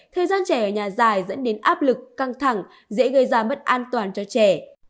thời gian trẻ ở nhà dài dẫn đến áp lực căng thẳng dễ gây ra mất an toàn cho trẻ